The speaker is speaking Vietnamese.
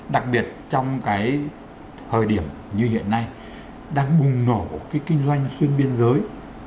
đặc biệt trong thời điểm như hiện nay đang bùng nổ kinh doanh xuyên biên giới